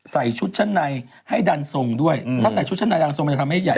ใส่ชุดชั้นในให้ดันทรงด้วยถ้าใส่ชุดชั้นในดันทรงมันจะทำให้ใหญ่